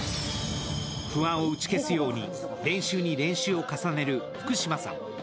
不安を打ち消すように練習に練習を重ねる福嶌さん。